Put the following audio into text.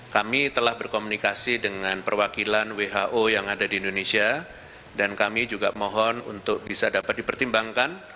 kami telah berkomunikasi dengan perwakilan who yang ada di indonesia dan kami juga mohon untuk bisa dapat dipertimbangkan